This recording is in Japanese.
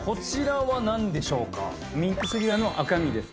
ミンククジラの赤身です。